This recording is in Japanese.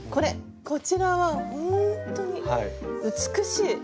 こちらはほんとに美しい！